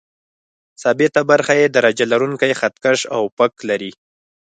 ثابته برخه یې درجه لرونکی خط کش او فک لري.